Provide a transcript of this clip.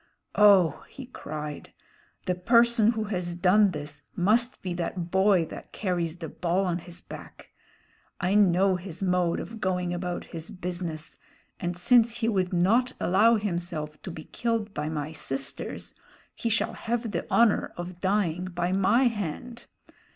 "Oh," he cried. "The person who has done this must be that Boy That Carries the Ball on his Back. I know his mode of going about his business, and since he would not allow himself to be killed by my sisters, he shall have the honor of dying by my hand.